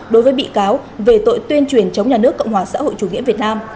đối với bị cáo về tội tuyên truyền chống nhà nước cộng hòa xã hội chủ nghĩa việt nam